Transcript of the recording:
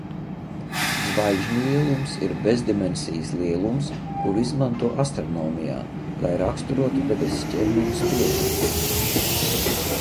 Zvaigžņlielums ir bezdimensijas lielums, kuru izmanto astronomijā, lai raksturotu debess ķermeņu spožumu.